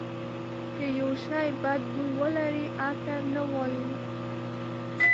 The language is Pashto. که یو شی بد بوی ولري عطر نه وایو.